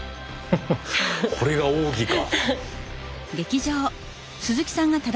これが奥義か。